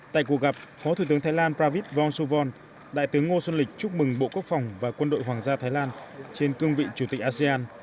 tại cuộc gặp phó thủ tướng thái lan pravit vongsuvong đại tướng ngô xuân lịch chúc mừng bộ quốc phòng và quân đội hoàng gia thái lan trên cương vị chủ tịch asean